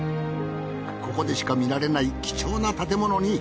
ここでしか見られない貴重な建物に。